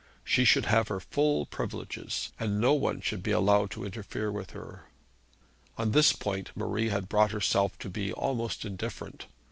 She should have her full privileges, and no one should be allowed to interfere with her. On this point Marie had brought herself to be almost indifferent.